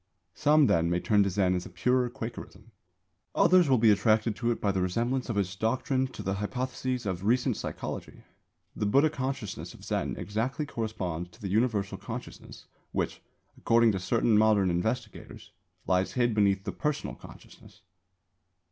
Some, then, may turn to Zen as a purer Quakerism. Others will be attracted to it by the resemblance of its doctrines to the hypotheses of recent psychology. The Buddha consciousness of Zen exactly corresponds to the Universal Consciousness which, according to certain modern investigators, lies hid beneath the personal Consciousness.